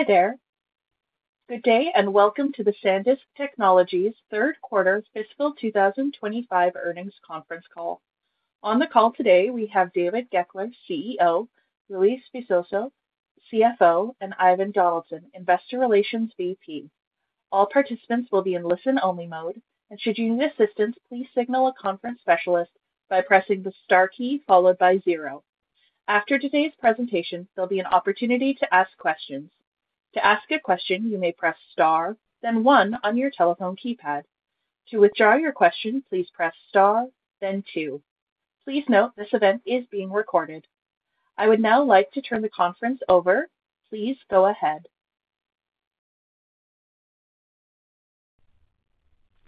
Hi there. Good day and welcome to the Sandisk Technologies Third Quarter Fiscal 2025 Earnings Conference Call. On the call today, we have David Goeckeler, CEO; Luis Visoso, CFO; and Ivan Donaldson, Investor Relations VP. All participants will be in listen-only mode, and should you need assistance, please signal a conference specialist by pressing the star key followed by zero. After today's presentation, there'll be an opportunity to ask questions. To ask a question, you may press star, then one on your telephone keypad. To withdraw your question, please press star, then two. Please note this event is being recorded. I would now like to turn the conference over. Please go ahead.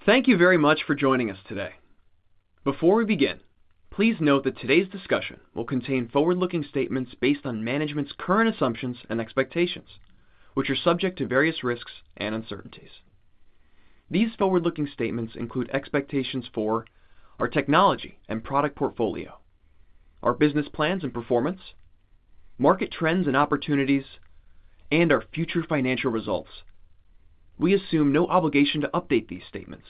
Thank you very much for joining us today. Before we begin, please note that today's discussion will contain forward-looking statements based on management's current assumptions and expectations, which are subject to various risks and uncertainties. These forward-looking statements include expectations for our technology and product portfolio, our business plans and performance, market trends and opportunities, and our future financial results. We assume no obligation to update these statements.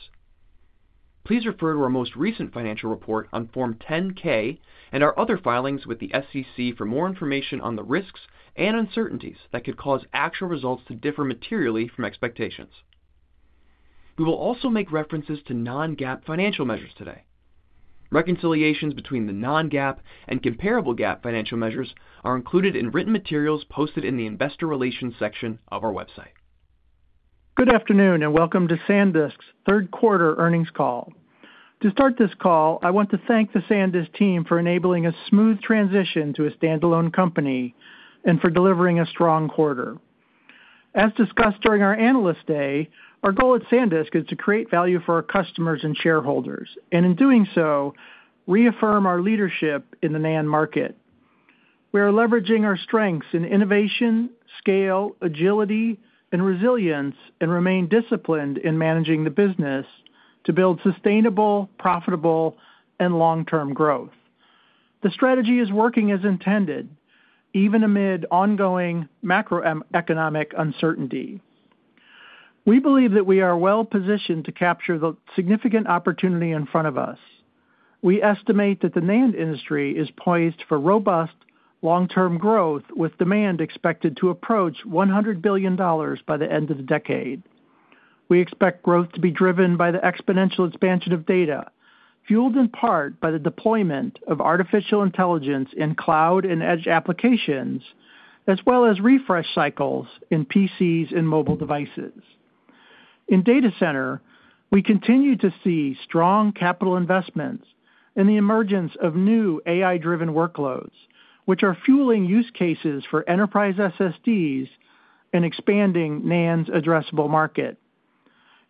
Please refer to our most recent financial report on Form 10-K and our other filings with the SEC for more information on the risks and uncertainties that could cause actual results to differ materially from expectations. We will also make references to non-GAAP financial measures today. Reconciliations between the non-GAAP and comparable GAAP financial measures are included in written materials posted in the Investor Relations section of our website. Good afternoon and welcome to Sandisk's third quarter earnings call. To start this call, I want to thank the Sandisk team for enabling a smooth transition to a standalone company and for delivering a strong quarter. As discussed during our analyst day, our goal at Sandisk is to create value for our customers and shareholders, and in doing so, reaffirm our leadership in the NAND market. We are leveraging our strengths in innovation, scale, agility, and resilience, and remain disciplined in managing the business to build sustainable, profitable, and long-term growth. The strategy is working as intended, even amid ongoing macroeconomic uncertainty. We believe that we are well positioned to capture the significant opportunity in front of us. We estimate that the NAND industry is poised for robust long-term growth, with demand expected to approach $100 billion by the end of the decade. We expect growth to be driven by the exponential expansion of data, fueled in part by the deployment of artificial intelligence in cloud and edge applications, as well as refresh cycles in PCs and mobile devices. In data center, we continue to see strong capital investments and the emergence of new AI-driven workloads, which are fueling use cases for enterprise SSDs and expanding NAND's addressable market.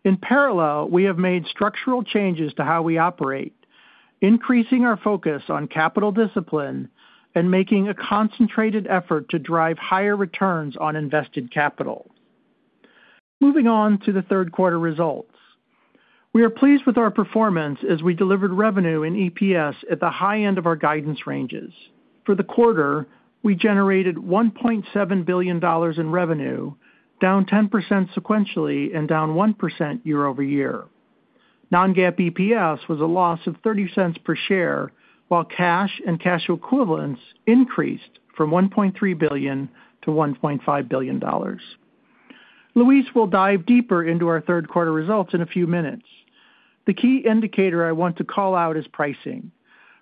In parallel, we have made structural changes to how we operate, increasing our focus on capital discipline and making a concentrated effort to drive higher returns on invested capital. Moving on to the third quarter results, we are pleased with our performance as we delivered revenue and EPS at the high end of our guidance ranges. For the quarter, we generated $1.7 billion in revenue, down 10% sequentially and down 1% year over year. Non-GAAP EPS was a loss of $0.30 per share, while cash and cash equivalents increased from $1.3 billion to $1.5 billion. Luis will dive deeper into our third quarter results in a few minutes. The key indicator I want to call out is pricing.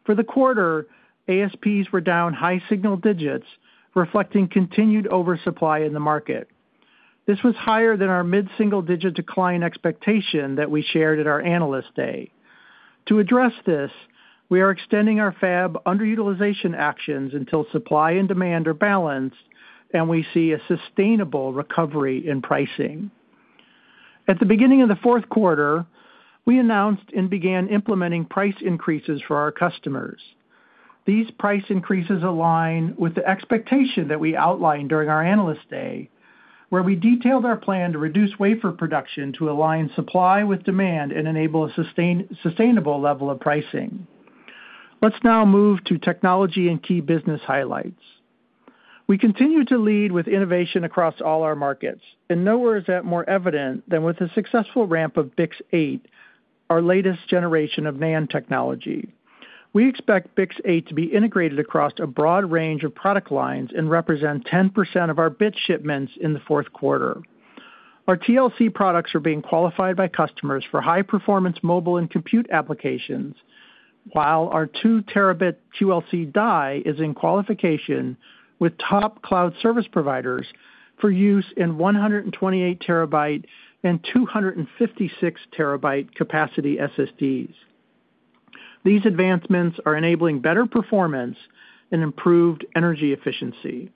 For the quarter, ASPs were down high single digits, reflecting continued oversupply in the market. This was higher than our mid-single digit decline expectation that we shared at our Analyst Day. To address this, we are extending our fab underutilization actions until supply and demand are balanced, and we see a sustainable recovery in pricing. At the beginning of the fourth quarter, we announced and began implementing price increases for our customers. These price increases align with the expectation that we outlined during our analyst day, where we detailed our plan to reduce wafer production to align supply with demand and enable a sustainable level of pricing. Let's now move to technology and key business highlights. We continue to lead with innovation across all our markets, and nowhere is that more evident than with the successful ramp of BiCS 8, our latest generation of NAND technology. We expect BiCS 8 to be integrated across a broad range of product lines and represent 10% of our bits shipments in the fourth quarter. Our TLC products are being qualified by customers for high-performance mobile and compute applications, while our 2 Tb QLC die is in qualification with top cloud service providers for use in 128 TB and 256 TB capacity SSDs. These advancements are enabling better performance and improved energy efficiency.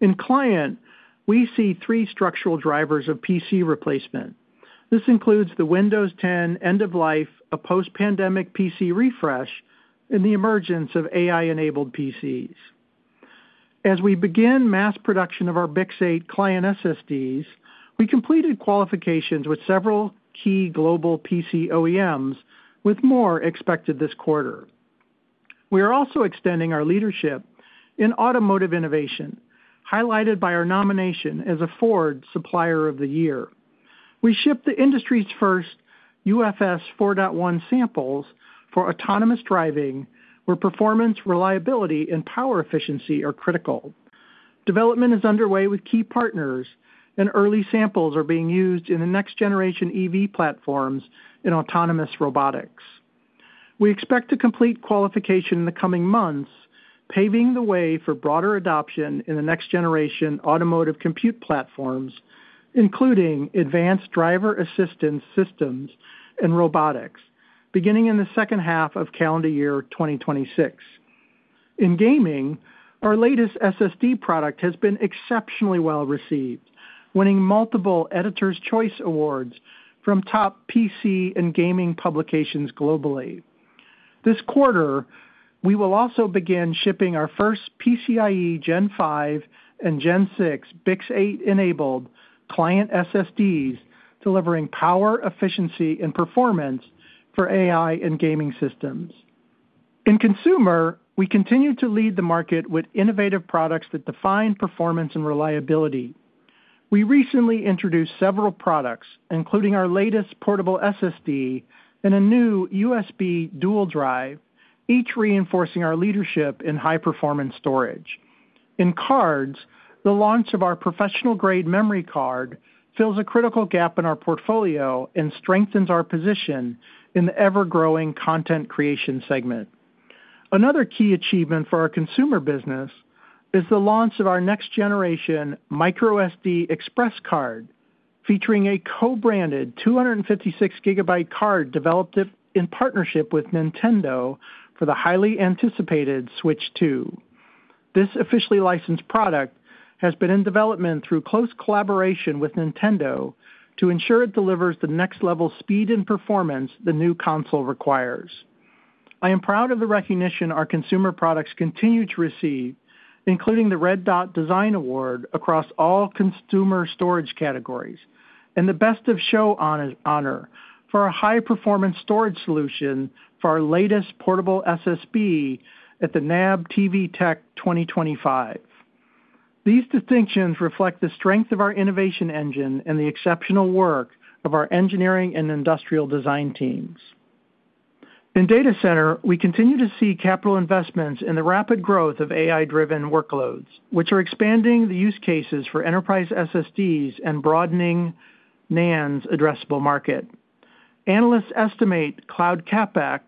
In client, we see three structural drivers of PC replacement. This includes the Windows 10 end-of-life, a post-pandemic PC refresh, and the emergence of AI-enabled PCs. As we begin mass production of our BiCS 8 client SSDs, we completed qualifications with several key global PC OEMs, with more expected this quarter. We are also extending our leadership in automotive innovation, highlighted by our nomination as a Ford Supplier of the Year. We ship the industry's first UFS 4.1 samples for autonomous driving, where performance, reliability, and power efficiency are critical. Development is underway with key partners, and early samples are being used in the next-generation EV platforms and autonomous robotics. We expect to complete qualification in the coming months, paving the way for broader adoption in the next-generation automotive compute platforms, including advanced driver assistance systems and robotics, beginning in the second half of calendar year 2026. In gaming, our latest SSD product has been exceptionally well received, winning multiple Editors' Choice Awards from top PC and gaming publications globally. This quarter, we will also begin shipping our first PCIe Gen 5 and Gen 6 BiCS 8-enabled client SSDs, delivering power, efficiency, and performance for AI and gaming systems. In consumer, we continue to lead the market with innovative products that define performance and reliability. We recently introduced several products, including our latest portable SSD and a new USB dual drive, each reinforcing our leadership in high-performance storage. In cards, the launch of our professional-grade memory card fills a critical gap in our portfolio and strengthens our position in the ever-growing content creation segment. Another key achievement for our consumer business is the launch of our next-generation microSD Express card, featuring a co-branded 256 GB card developed in partnership with Nintendo for the highly anticipated Switch 2. This officially licensed product has been in development through close collaboration with Nintendo to ensure it delivers the next-level speed and performance the new console requires. I am proud of the recognition our consumer products continue to receive, including the Red Dot Design Award across all consumer storage categories, and the Best of Show Honor for a high-performance storage solution for our latest portable SSD at the NAB TV Tech 2025. These distinctions reflect the strength of our innovation engine and the exceptional work of our engineering and industrial design teams. In data center, we continue to see capital investments in the rapid growth of AI-driven workloads, which are expanding the use cases for enterprise SSDs and broadening NAND's addressable market. Analysts estimate cloud CapEx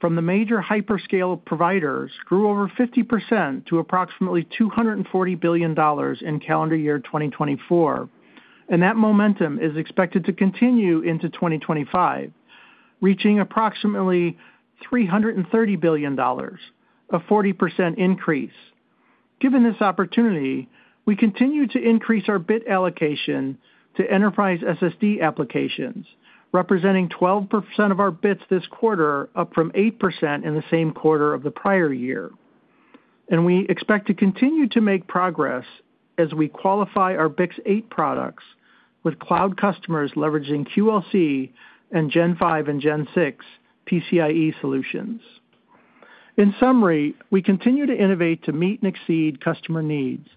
from the major hyperscale providers grew over 50% to approximately $240 billion in calendar year 2024, and that momentum is expected to continue into 2025, reaching approximately $330 billion, a 40% increase. Given this opportunity, we continue to increase our bit allocation to enterprise SSD applications, representing 12% of our bits this quarter, up from 8% in the same quarter of the prior year. We expect to continue to make progress as we qualify our BiCS 8 products, with cloud customers leveraging QLC and Gen 5 and Gen 6 PCIe solutions. In summary, we continue to innovate to meet and exceed customer needs,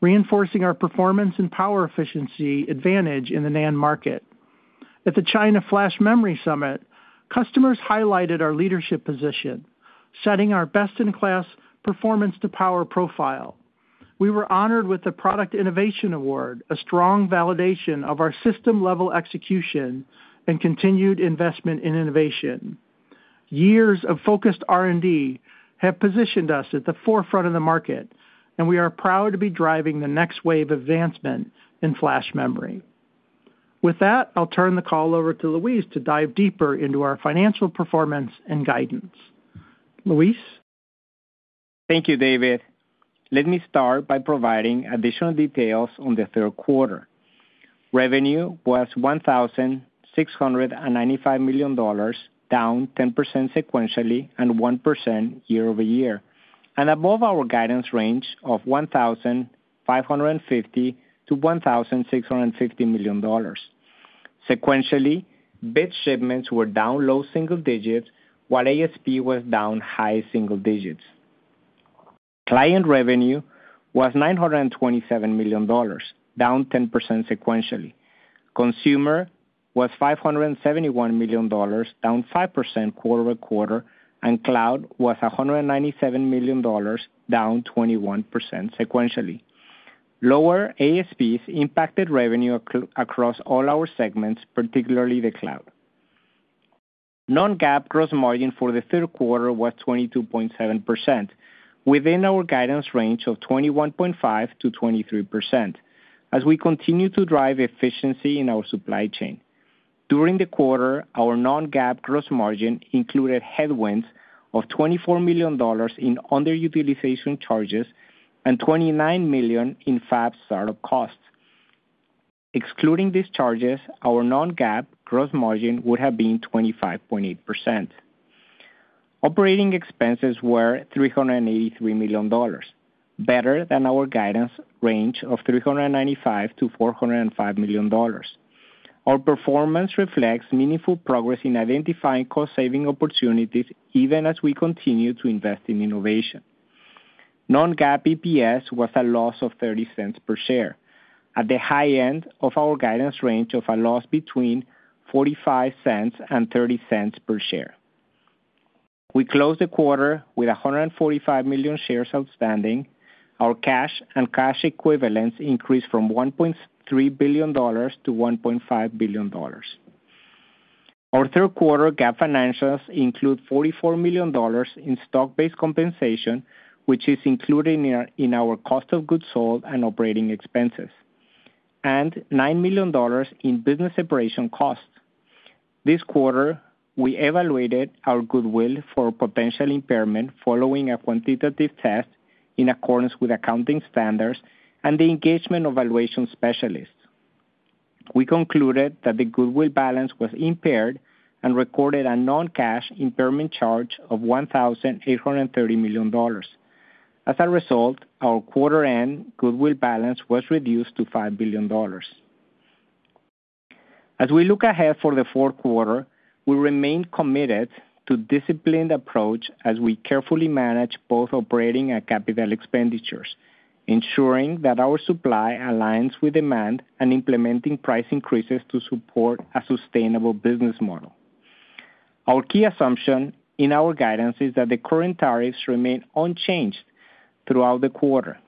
reinforcing our performance and power efficiency advantage in the NAND market. At the China Flash Memory Summit, customers highlighted our leadership position, setting our best-in-class performance-to-power profile. We were honored with the Product Innovation Award, a strong validation of our system-level execution and continued investment in innovation. Years of focused R&D have positioned us at the forefront of the market, and we are proud to be driving the next wave of advancement in flash memory. With that, I'll turn the call over to Luis to dive deeper into our financial performance and guidance. Luis? Thank you, David. Let me start by providing additional details on the third quarter. Revenue was $1,695 million, down 10% sequentially and 1% year over year, and above our guidance range of $1,550 million-$1,650 million. Sequentially, bits shipments were down low single digits, while ASP was down high single digits. Client revenue was $927 million, down 10% sequentially. Consumer was $571 million, down 5% quarter-to-quarter, and cloud was $197 million, down 21% sequentially. Lower ASPs impacted revenue across all our segments, particularly the cloud. Non-GAAP gross margin for the third quarter was 22.7%, within our guidance range of 21.5%-23%, as we continue to drive efficiency in our supply chain. During the quarter, our non-GAAP gross margin included headwinds of $24 million in underutilization charges and $29 million in fab startup costs. Excluding these charges, our non-GAAP gross margin would have been 25.8%. Operating expenses were $383 million, better than our guidance range of $395 million-$405 million. Our performance reflects meaningful progress in identifying cost-saving opportunities, even as we continue to invest in innovation. Non-GAAP EPS was a loss of $0.30 per share, at the high end of our guidance range of a loss between $0.45 and $0.30 per share. We closed the quarter with 145 million shares outstanding. Our cash and cash equivalents increased from $1.3 billion to $1.5 billion. Our third quarter GAAP financials include $44 million in stock-based compensation, which is included in our cost of goods sold and operating expenses, and $9 million in business operation costs. This quarter, we evaluated our goodwill for potential impairment following a quantitative test in accordance with accounting standards and the engagement of valuation specialists. We concluded that the goodwill balance was impaired and recorded a non-cash impairment charge of $1,830 million. As a result, our quarter-end goodwill balance was reduced to $5 billion. As we look ahead for the fourth quarter, we remain committed to a disciplined approach as we carefully manage both operating and capital expenditures, ensuring that our supply aligns with demand and implementing price increases to support a sustainable business model. Our key assumption in our guidance is that the current tariffs remain unchanged throughout the quarter.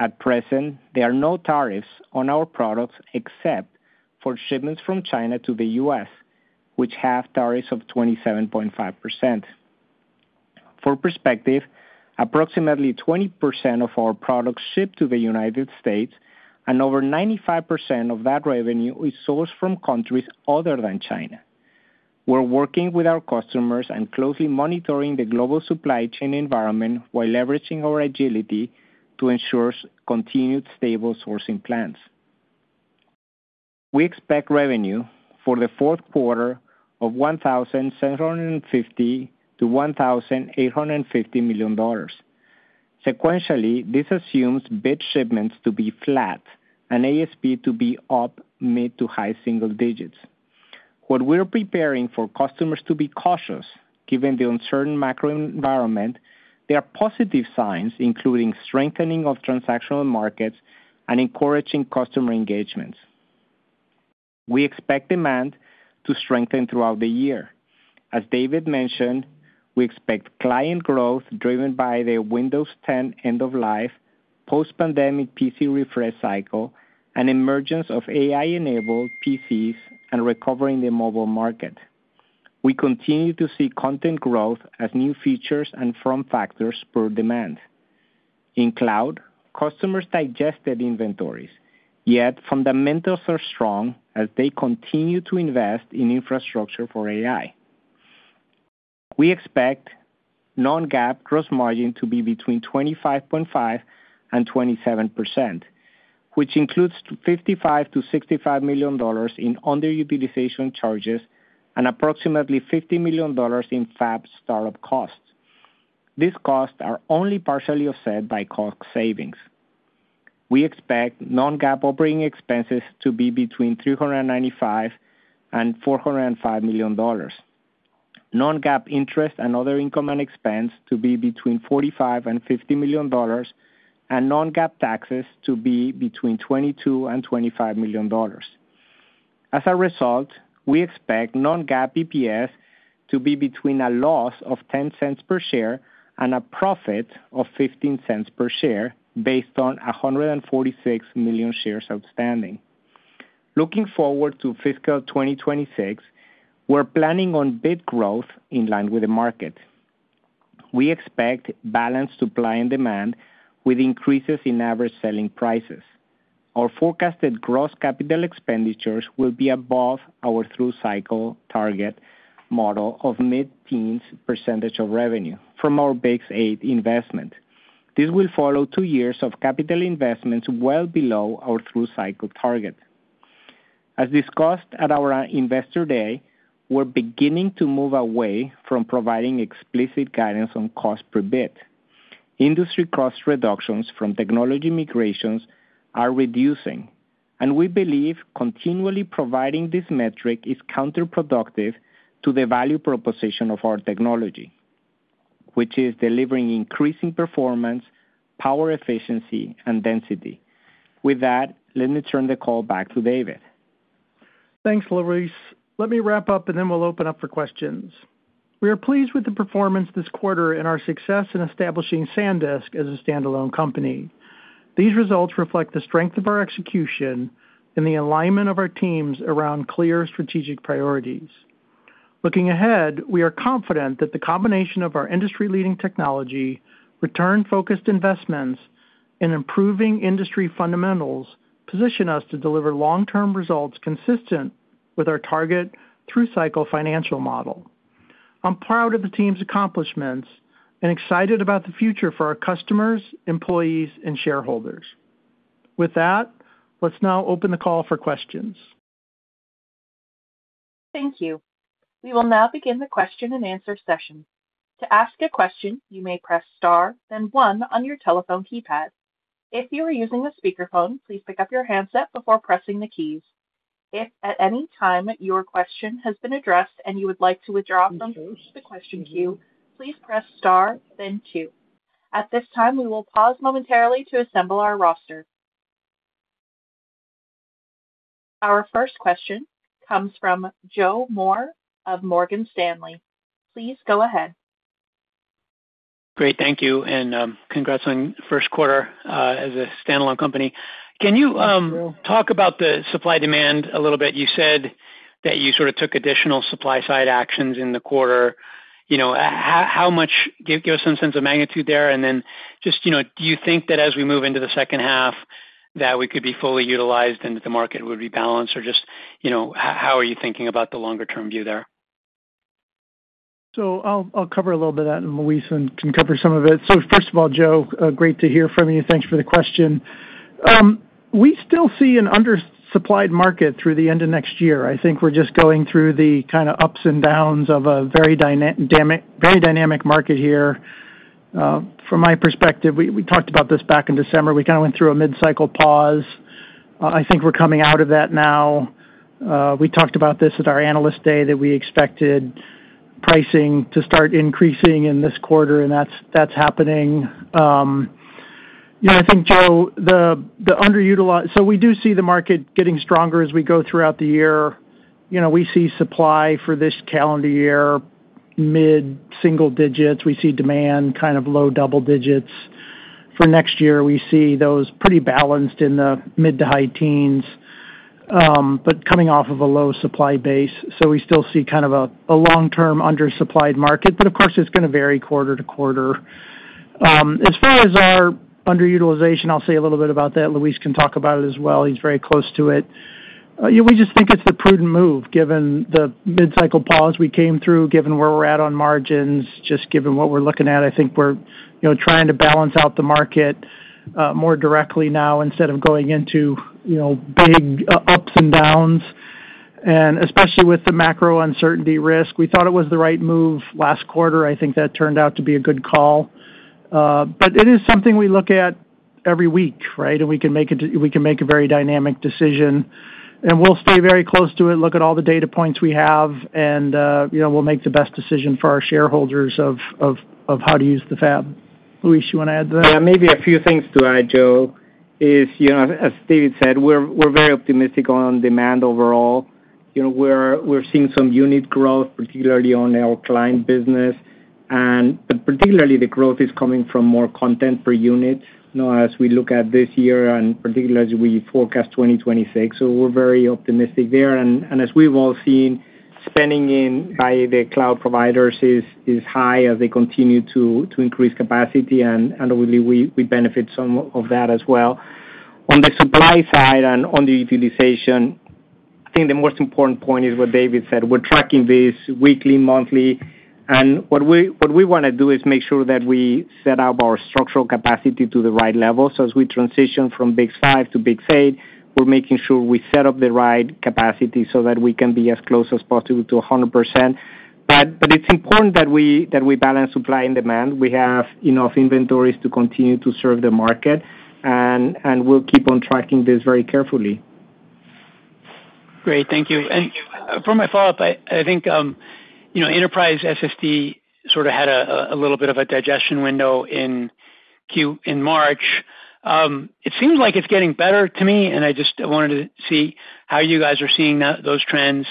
At present, there are no tariffs on our products except for shipments from China to the U.S., which have tariffs of 27.5%. For perspective, approximately 20% of our products ship to the United States, and over 95% of that revenue is sourced from countries other than China. We're working with our customers and closely monitoring the global supply chain environment while leveraging our agility to ensure continued stable sourcing plans. We expect revenue for the fourth quarter of $1,750- million$1,850 million. Sequentially, this assumes bits shipments to be flat and ASP to be up mid to high single digits. While we're preparing for customers to be cautious given the uncertain macro environment, there are positive signs, including strengthening of transactional markets and encouraging customer engagements. We expect demand to strengthen throughout the year. As David mentioned, we expect client growth driven by the Windows 10 end-of-life, post-pandemic PC refresh cycle, and emergence of AI-enabled PCs and recovery in the mobile market. We continue to see content growth as new features and form factors spur demand. In cloud, customers digested inventories, yet fundamentals are strong as they continue to invest in infrastructure for AI. We expect non-GAAP gross margin to be between 25.5% and 27%, which includes $55 million-$65 million in underutilization charges and approximately $50 million in fab startup costs. These costs are only partially offset by cost savings. We expect non-GAAP operating expenses to be between $395 million-$405 million, non-GAAP interest and other income and expense to be between $45 million-$50 million, and non-GAAP taxes to be between $22 million-$25 million. As a result, we expect non-GAAP EPS to be between a loss of $0.10 per share and a profit of $0.15 per share based on 146 million shares outstanding. Looking forward to fiscal 2026, we're planning on bits growth in line with the market. We expect balance to supply and demand with increases in average selling prices. Our forecasted gross capital expenditures will be above our through cycle target model of mid-teens percentage of revenue from our BiCS 8 investment. This will follow two years of capital investments well below our through cycle target. As discussed at our investor day, we're beginning to move away from providing explicit guidance on cost per bit. Industry cost reductions from technology migrations are reducing, and we believe continually providing this metric is counterproductive to the value proposition of our technology, which is delivering increasing performance, power efficiency, and density. With that, let me turn the call back to David. Thanks, Luis. Let me wrap up, and then we'll open up for questions. We are pleased with the performance this quarter and our success in establishing Sandisk as a standalone company. These results reflect the strength of our execution and the alignment of our teams around clear strategic priorities. Looking ahead, we are confident that the combination of our industry-leading technology, return-focused investments, and improving industry fundamentals position us to deliver long-term results consistent with our target through cycle financial model. I'm proud of the team's accomplishments and excited about the future for our customers, employees, and shareholders. With that, let's now open the call for questions. Thank you. We will now begin the question-and-answer session. To ask a question, you may press star, then one on your telephone keypad. If you are using a speakerphone, please pick up your handset before pressing the keys. If at any time your question has been addressed and you would like to withdraw from the question queue, please press star, then two. At this time, we will pause momentarily to assemble our roster. Our first question comes from Joe Moore of Morgan Stanley. Please go ahead. Great. Thank you. Congrats on first quarter as a standalone company. Can you talk about the supply-demand a little bit? You said that you sort of took additional supply-side actions in the quarter. Give us some sense of magnitude there. Do you think that as we move into the second half, that we could be fully utilized and that the market would rebalance? How are you thinking about the longer-term view there? I'll cover a little bit of that, and Luis can cover some of it. First of all, Joe, great to hear from you. Thanks for the question. We still see an undersupplied market through the end of next year. I think we're just going through the kind of ups and downs of a very dynamic market here. From my perspective, we talked about this back in December. We kind of went through a mid-cycle pause. I think we're coming out of that now. We talked about this at our analyst day that we expected pricing to start increasing in this quarter, and that's happening. I think, Joe, the underutilized—so we do see the market getting stronger as we go throughout the year. We see supply for this calendar year mid-single digits. We see demand kind of low double digits. For next year, we see those pretty balanced in the mid to high teens, but coming off of a low supply base. We still see kind of a long-term undersupplied market, but of course, it's going to vary quarter to quarter. As far as our underutilization, I'll say a little bit about that. Luis can talk about it as well. He's very close to it. We just think it's a prudent move given the mid-cycle pause we came through, given where we're at on margins, just given what we're looking at. I think we're trying to balance out the market more directly now instead of going into big ups and downs, especially with the macro uncertainty risk. We thought it was the right move last quarter. I think that turned out to be a good call. It is something we look at every week, right? We can make a very dynamic decision. We will stay very close to it, look at all the data points we have, and we will make the best decision for our shareholders of how to use the fab. Luis, you want to add to that? Yeah. Maybe a few things to add, Joe, is, as David said, we're very optimistic on demand overall. We're seeing some unit growth, particularly on our client business. Particularly, the growth is coming from more content per unit as we look at this year and particularly as we forecast 2026. We're very optimistic there. As we've all seen, spending by the cloud providers is high as they continue to increase capacity, and we believe we benefit some of that as well. On the supply side and on the utilization, I think the most important point is what David said. We're tracking this weekly, monthly. What we want to do is make sure that we set up our structural capacity to the right level. As we transition from BiCS 5 to BiCS 8, we're making sure we set up the right capacity so that we can be as close as possible to 100%. But it's important that we balance supply and demand. We have enough inventories to continue to serve the market, and we'll keep on tracking this very carefully. Great. Thank you. For my follow-up, I think enterprise SSD sort of had a little bit of a digestion window in March. It seems like it's getting better to me, and I just wanted to see how you guys are seeing those trends.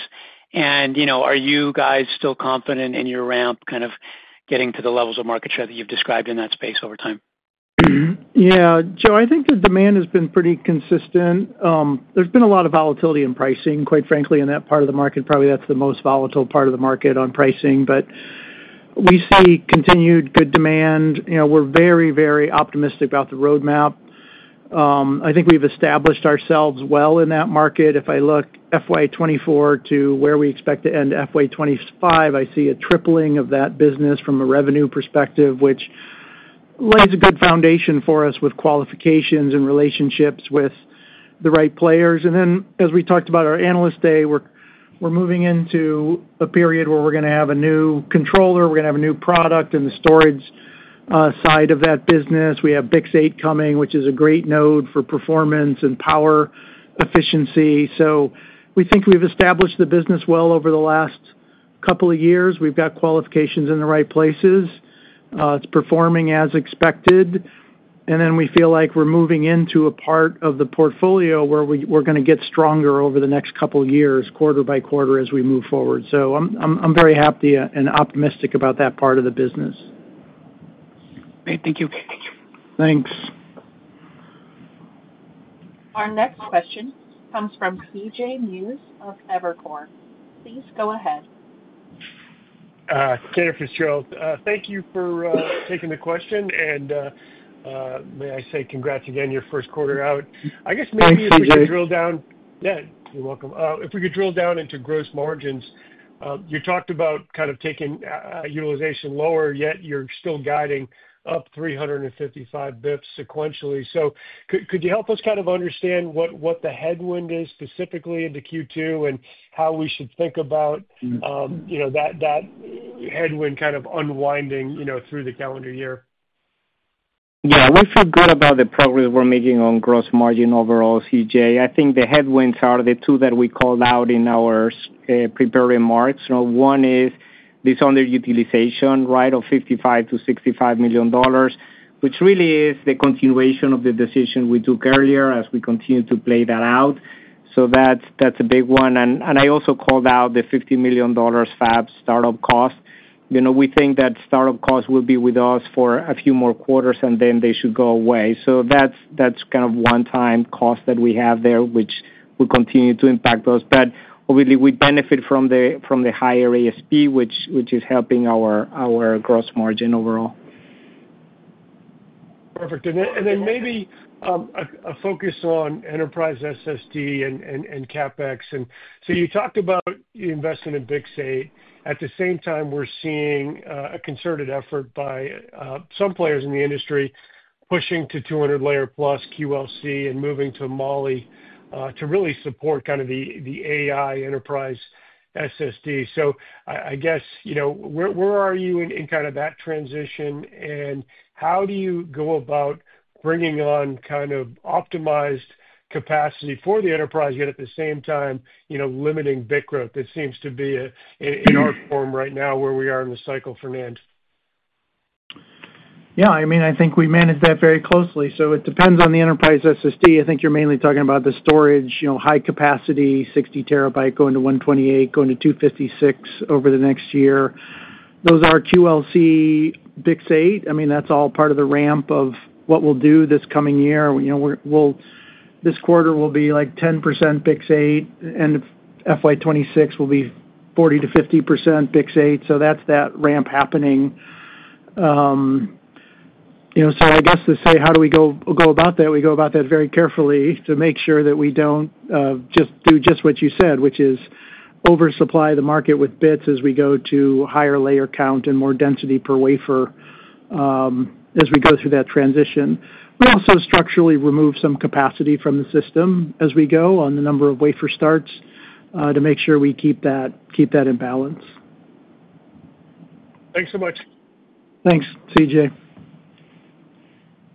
Are you guys still confident in your ramp, kind of getting to the levels of market share that you've described in that space over time? Yeah. Joe, I think the demand has been pretty consistent. There's been a lot of volatility in pricing, quite frankly, in that part of the market. Probably that's the most volatile part of the market on pricing. We see continued good demand. We're very, very optimistic about the roadmap. I think we've established ourselves well in that market. If I look FY 2024 to where we expect to end FY 2025, I see a tripling of that business from a revenue perspective, which lays a good foundation for us with qualifications and relationships with the right players. As we talked about our Analyst Day, we're moving into a period where we're going to have a new controller. We're going to have a new product in the storage side of that business. We have BiCS 8 coming, which is a great node for performance and power efficiency. We think we've established the business well over the last couple of years. We've got qualifications in the right places. It's performing as expected. We feel like we're moving into a part of the portfolio where we're going to get stronger over the next couple of years, quarter by quarter as we move forward. I'm very happy and optimistic about that part of the business. Great. Thank you. Thanks. Our next question comes from CJ Muse of Evercore. Please go ahead. Thank you for taking the question. May I say congrats again, your first quarter out. I guess maybe if we could drill down—yeah, you're welcome—if we could drill down into gross margins. You talked about kind of taking utilization lower, yet you're still guiding up 355 bps sequentially. Could you help us kind of understand what the headwind is specifically in the Q2 and how we should think about that headwind kind of unwinding through the calendar year? Yeah. We feel good about the progress we're making on gross margin overall, CJ. I think the headwinds are the two that we called out in our preparing marks. One is this underutilization, right, of $55 million-$65 million, which really is the continuation of the decision we took earlier as we continue to play that out. That's a big one. I also called out the $50 million fab startup cost. We think that startup cost will be with us for a few more quarters, and then they should go away. That's kind of one-time cost that we have there, which will continue to impact us. Hopefully, we benefit from the higher ASP, which is helping our gross margin overall. Perfect. Maybe a focus on enterprise SSD and CapEx. You talked about investment in BiCS 8. At the same time, we're seeing a concerted effort by some players in the industry pushing to 200 layer plus QLC and moving to Molly to really support kind of the AI enterprise SSD. I guess, where are you in kind of that transition? How do you go about bringing on kind of optimized capacity for the enterprise, yet at the same time limiting BiC growth? It seems to be in our form right now where we are in the cycle finance. Yeah. I mean, I think we manage that very closely. It depends on the enterprise SSD. I think you're mainly talking about the storage, high capacity, 60 TB going to 128, going to 256 over the next year. Those are QLC BiCS 8. I mean, that's all part of the ramp of what we'll do this coming year. This quarter will be like 10% BiCS 8, and FY 2026 will be 40%-50% BiCS 8. That's that ramp happening. I guess to say, how do we go about that? We go about that very carefully to make sure that we don't just do just what you said, which is oversupply the market with bits as we go to higher layer count and more density per wafer as we go through that transition. We also structurally remove some capacity from the system as we go on the number of wafer starts to make sure we keep that in balance. Thanks so much. Thanks, CJ.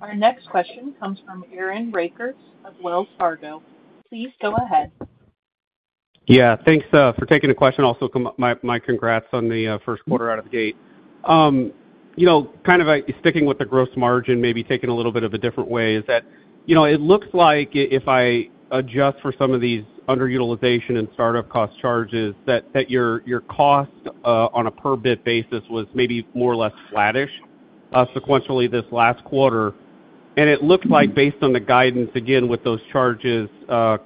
Our next question comes from Aaron Rakers of Wells Fargo. Please go ahead. Yeah. Thanks for taking the question. Also, my congrats on the first quarter out of the gate. Kind of sticking with the gross margin, maybe taken a little bit of a different way, is that it looks like if I adjust for some of these underutilization and startup cost charges, that your cost on a per bit basis was maybe more or less flattish sequentially this last quarter. It looks like, based on the guidance, again, with those charges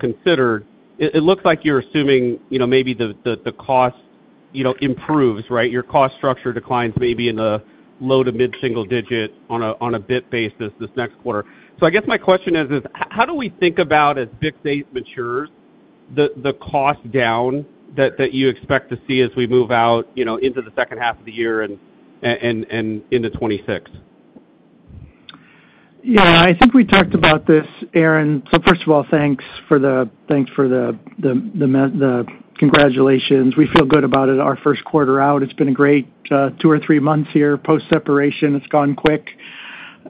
considered, it looks like you're assuming maybe the cost improves, right? Your cost structure declines maybe in the low to mid-single digit on a bit basis this next quarter. I guess my question is, how do we think about, as BiCS 8 matures, the cost down that you expect to see as we move out into the second half of the year and into 2026? Yeah. I think we talked about this, Aaron. First of all, thanks for the congratulations. We feel good about it, our first quarter out. It's been a great two or three months here post-separation. It's gone quick.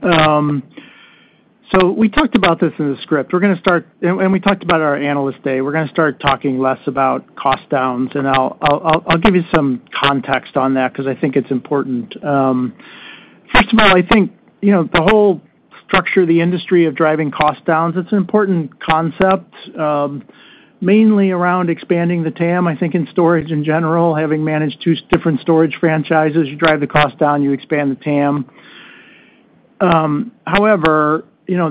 We talked about this in the script. We talked about our analyst day. We're going to start talking less about cost downs. I'll give you some context on that because I think it's important. First of all, I think the whole structure of the industry of driving cost downs, it's an important concept, mainly around expanding the TAM. I think in storage in general, having managed two different storage franchises, you drive the cost down, you expand the TAM. However,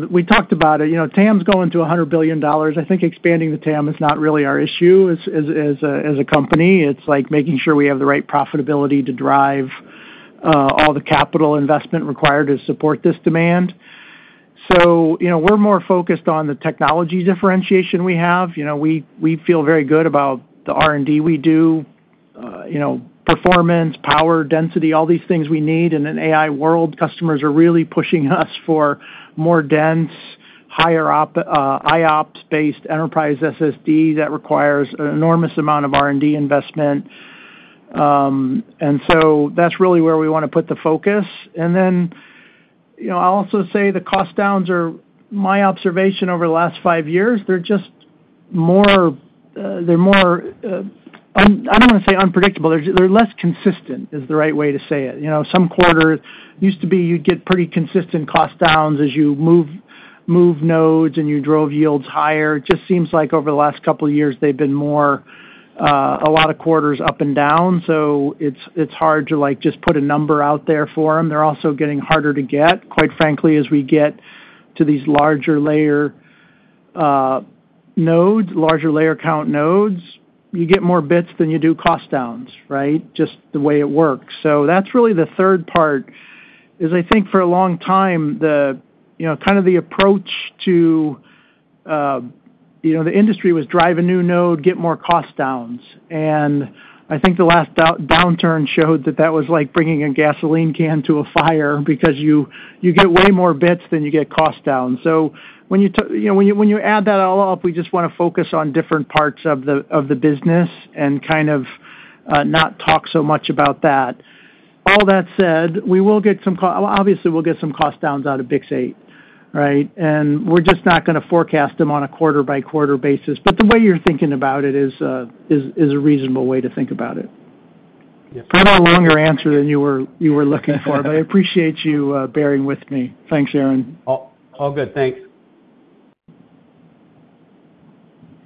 we talked about it. TAM's going to $100 billion. I think expanding the TAM is not really our issue as a company. It's making sure we have the right profitability to drive all the capital investment required to support this demand. We're more focused on the technology differentiation we have. We feel very good about the R&D we do, performance, power, density, all these things we need. In an AI world, customers are really pushing us for more dense, higher IOPS-based enterprise SSD that requires an enormous amount of R&D investment. That's really where we want to put the focus. I'll also say the cost downs are, my observation over the last five years, they're just more—I don't want to say unpredictable. They're less consistent is the right way to say it. Some quarters used to be you'd get pretty consistent cost downs as you move nodes and you drove yields higher. It just seems like over the last couple of years, they've been a lot of quarters up and down. It's hard to just put a number out there for them. They're also getting harder to get, quite frankly, as we get to these larger layer nodes, larger layer count nodes. You get more bits than you do cost downs, right? Just the way it works. That's really the third part is, I think for a long time, kind of the approach to the industry was drive a new node, get more cost downs. I think the last downturn showed that that was like bringing a gasoline can to a fire because you get way more bits than you get cost downs. When you add that all up, we just want to focus on different parts of the business and kind of not talk so much about that. All that said, we will get some—obviously, we will get some cost downs out of BiCS 8, right? We are just not going to forecast them on a quarter-by-quarter basis. The way you are thinking about it is a reasonable way to think about it. I do not know a longer answer than you were looking for, but I appreciate you bearing with me. Thanks, Aaron. All good. Thanks.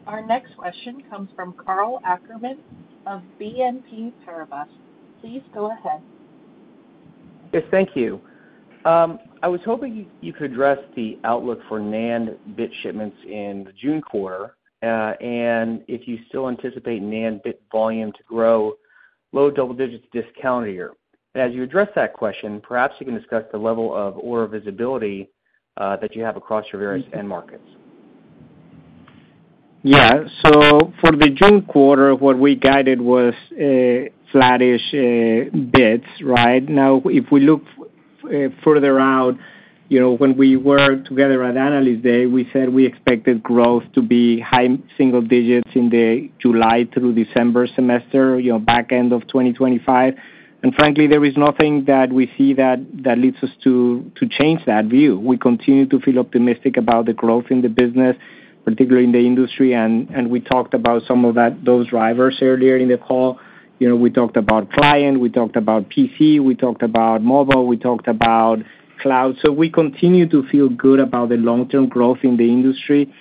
Our next question comes from Karl Ackerman of BNP Paribas. Please go ahead. Yes. Thank you. I was hoping you could address the outlook for NAND bit shipments in the June quarter and if you still anticipate NAND bit volume to grow low double digits this calendar year. As you address that question, perhaps you can discuss the level of order visibility that you have across your various end markets. Yeah. So for the June quarter, what we guided was flattish bits, right? Now, if we look further out, when we were together at analyst day, we said we expected growth to be high single digits in the July through December semester, back end of 2025. Frankly, there is nothing that we see that leads us to change that view. We continue to feel optimistic about the growth in the business, particularly in the industry. We talked about some of those drivers earlier in the call. We talked about client. We talked about PC. We talked about mobile. We talked about cloud. We continue to feel good about the long-term growth in the industry.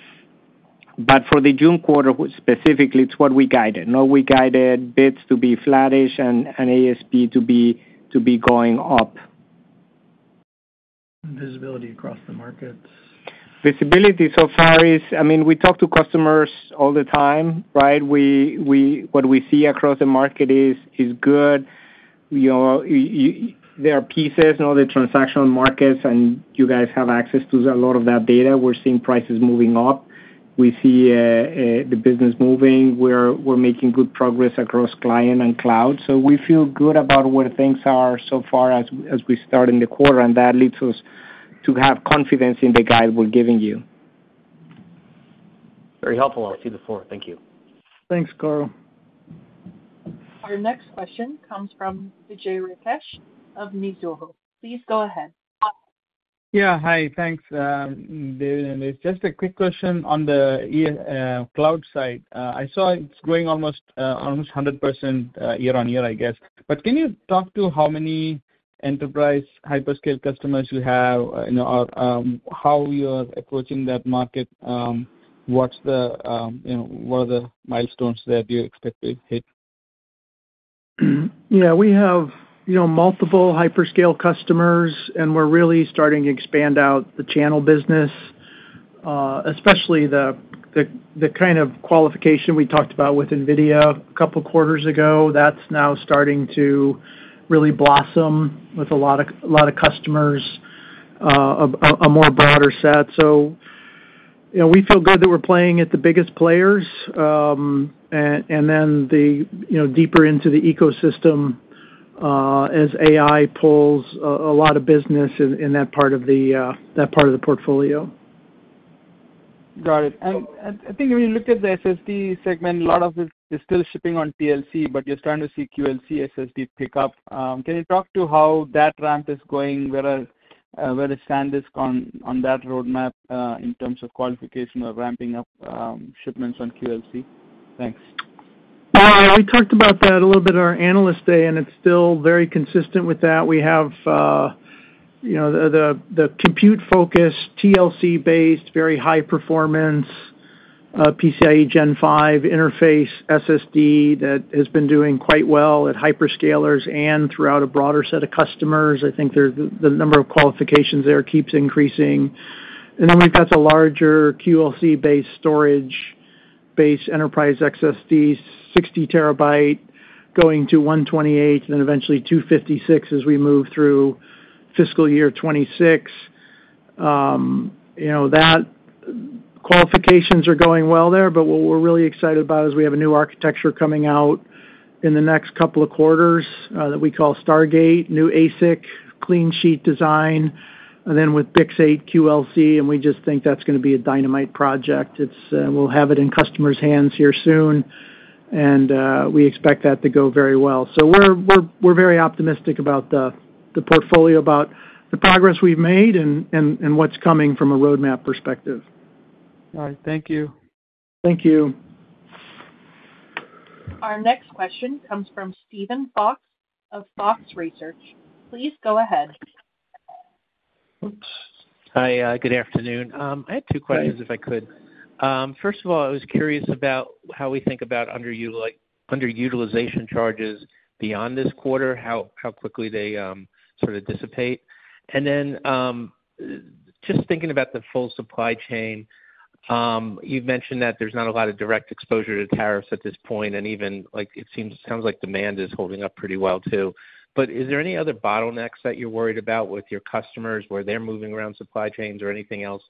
For the June quarter specifically, it is what we guided. We guided bits to be flattish and ASP to be going up. Visibility across the markets. Visibility so far is, I mean, we talk to customers all the time, right? What we see across the market is good. There are pieces in all the transactional markets, and you guys have access to a lot of that data. We're seeing prices moving up. We see the business moving. We're making good progress across client and cloud. We feel good about where things are so far as we start in the quarter. That leads us to have confidence in the guide we're giving you. Very helpful. I cede the floor. Thank you. Thanks, Karl. Our next question comes from Vijay Rakesh of Mizuho. Please go ahead. Yeah. Hi. Thanks, David. It's just a quick question on the cloud side. I saw it's growing almost 100% year on year, I guess. Can you talk to how many enterprise hyperscale customers you have? How you're approaching that market? What are the milestones that you expect to hit? Yeah. We have multiple hyperscale customers, and we're really starting to expand out the channel business, especially the kind of qualification we talked about with NVIDIA a couple of quarters ago. That's now starting to really blossom with a lot of customers, a more broader set. We feel good that we're playing at the biggest players. And then deeper into the ecosystem as AI pulls a lot of business in that part of the portfolio. Got it. I think when you look at the SSD segment, a lot of it is still shipping on TLC, but you're starting to see QLC SSD pick up. Can you talk to how that ramp is going? Where does SanDisk on that roadmap in terms of qualification or ramping up shipments on QLC? Thanks. We talked about that a little bit at our Analyst Day, and it's still very consistent with that. We have the compute-focused, TLC-based, very high-performance PCIe Gen 5 interface SSD that has been doing quite well at hyperscalers and throughout a broader set of customers. I think the number of qualifications there keeps increasing. We have the larger QLC-based storage-based enterprise SSDs, 60 TB, going to 128, then eventually 256 as we move through fiscal year 2026. That qualifications are going well there, but what we're really excited about is we have a new architecture coming out in the next couple of quarters that we call Stargate, new ASIC, clean sheet design, and then with BiCS 8 QLC. We just think that's going to be a dynamite project. We'll have it in customers' hands here soon, and we expect that to go very well. We're very optimistic about the portfolio, about the progress we've made and what's coming from a roadmap perspective. All right. Thank you. Thank you. Our next question comes from Steven Fox of Fox Research. Please go ahead. Hi. Good afternoon. I had two questions if I could. First of all, I was curious about how we think about underutilization charges beyond this quarter, how quickly they sort of dissipate. Then just thinking about the full supply chain, you've mentioned that there's not a lot of direct exposure to tariffs at this point, and even it sounds like demand is holding up pretty well too. Is there any other bottlenecks that you're worried about with your customers where they're moving around supply chains or anything else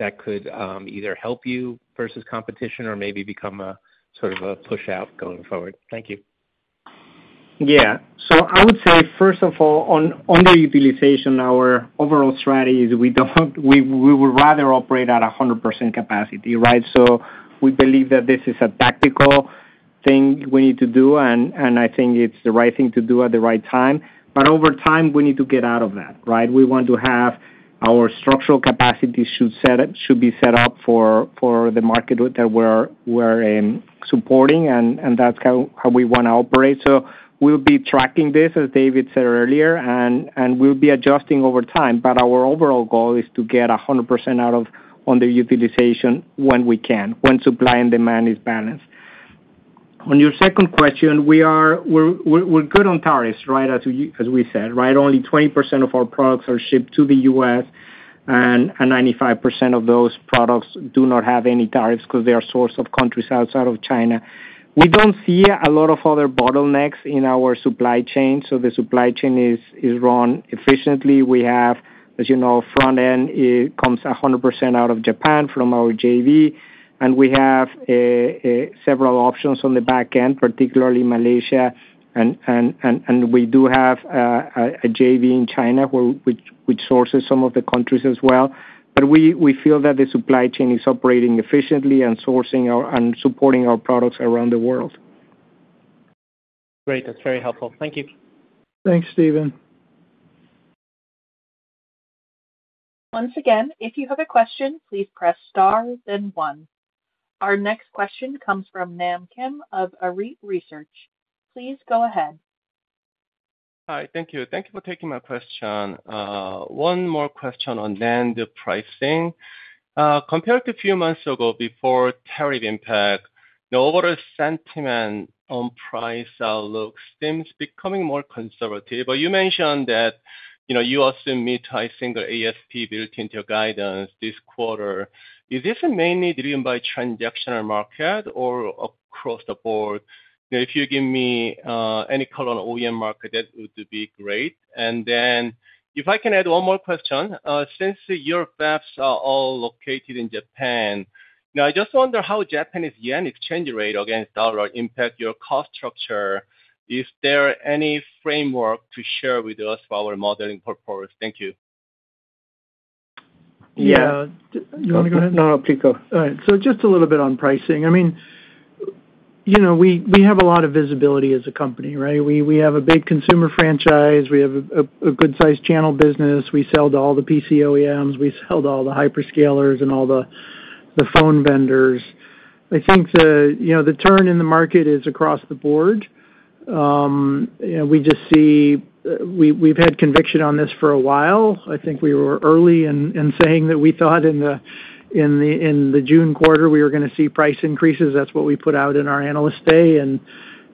that could either help you versus competition or maybe become a sort of a push-out going forward? Thank you. Yeah. I would say, first of all, underutilization, our overall strategy is we would rather operate at 100% capacity, right? We believe that this is a tactical thing we need to do, and I think it's the right thing to do at the right time. Over time, we need to get out of that, right? We want to have our structural capacity set up for the market that we're supporting, and that's how we want to operate. We'll be tracking this, as David said earlier, and we'll be adjusting over time. Our overall goal is to get 100% out of underutilization when we can, when supply and demand is balanced. On your second question, we're good on tariffs, right, as we said, right? Only 20% of our products are shipped to the U.S., and 95% of those products do not have any tariffs because they are sourced from countries outside of China. We do not see a lot of other bottlenecks in our supply chain. The supply chain is run efficiently. We have, as you know, front-end comes 100% out of Japan from our JV, and we have several options on the back end, particularly Malaysia. We do have a JV in China which sources some of the countries as well. We feel that the supply chain is operating efficiently and supporting our products around the world. Great. That's very helpful. Thank you. Thanks, Steven. Once again, if you have a question, please press star, then one. Our next question comes from Nam Kim of Arete Research. Please go ahead. Hi. Thank you. Thank you for taking my question. One more question on NAND pricing. Compared to a few months ago before tariff impact, the overall sentiment on price outlook seems becoming more conservative. You mentioned that you also meet high single ASP built into your guidance this quarter. Is this mainly driven by transactional market or across the board? If you give me any color on OEM market, that would be great. If I can add one more question, since your bits are all located in Japan, I just wonder how Japanese yen exchange rate against dollar impact your cost structure. Is there any framework to share with us for our modeling purposes? Thank you. Yeah. You want to go ahead? No, no, Pico. All right. So just a little bit on pricing. I mean, we have a lot of visibility as a company, right? We have a big consumer franchise. We have a good-sized channel business. We sell to all the PC OEMs. We sell to all the hyperscalers and all the phone vendors. I think the turn in the market is across the board. We just see we've had conviction on this for a while. I think we were early in saying that we thought in the June quarter we were going to see price increases. That's what we put out in our analyst day. And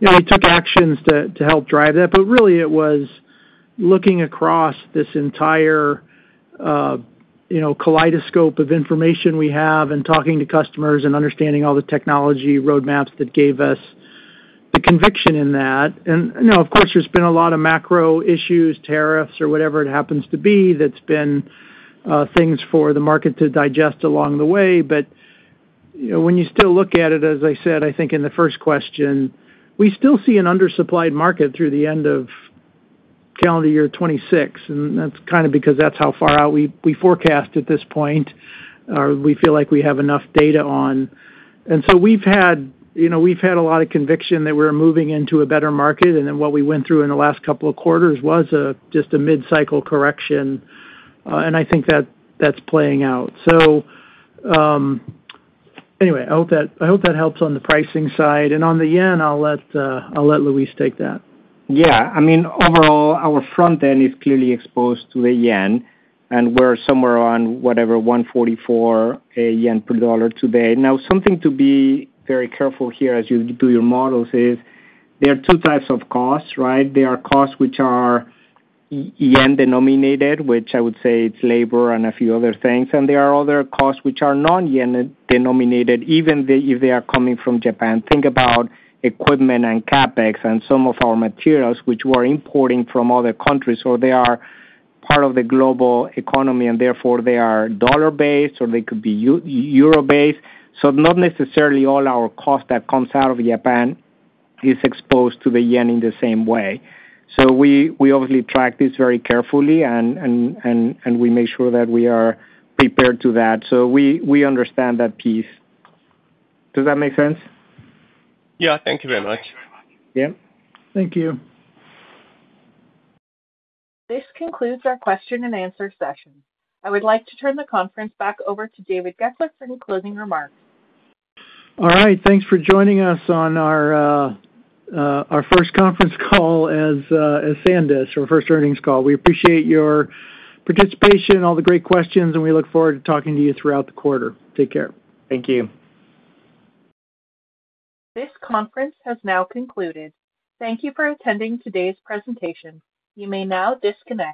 we took actions to help drive that. But really, it was looking across this entire kaleidoscope of information we have and talking to customers and understanding all the technology roadmaps that gave us the conviction in that. Of course, there's been a lot of macro issues, tariffs or whatever it happens to be that's been things for the market to digest along the way. When you still look at it, as I said, I think in the first question, we still see an undersupplied market through the end of calendar year 2026. That's kind of because that's how far out we forecast at this point or we feel like we have enough data on. We've had a lot of conviction that we're moving into a better market. What we went through in the last couple of quarters was just a mid-cycle correction. I think that that's playing out. I hope that helps on the pricing side. On the yen, I'll let Luis take that. Yeah. I mean, overall, our front-end is clearly exposed to the yen, and we're somewhere on whatever 144 yen per dollar today. Now, something to be very careful here as you do your models is there are two types of costs, right? There are costs which are yen-denominated, which I would say is labor and a few other things. And there are other costs which are non-yen-denominated, even if they are coming from Japan. Think about equipment and CapEx and some of our materials which we're importing from other countries, or they are part of the global economy, and therefore they are dollar-based or they could be euro-based. Not necessarily all our cost that comes out of Japan is exposed to the yen in the same way. We obviously track this very carefully, and we make sure that we are prepared to that. We understand that piece. Does that make sense? Yeah. Thank you very much. Yeah. Thank you. This concludes our question-and-answer session. I would like to turn the conference back over to David Goeckeler for any closing remarks. All right. Thanks for joining us on our first conference call as SanDisk, our first earnings call. We appreciate your participation, all the great questions, and we look forward to talking to you throughout the quarter. Take care. Thank you. This conference has now concluded. Thank you for attending today's presentation. You may now disconnect.